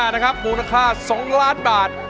เพลงที่๑๕มูลค่า๒ล้านบาท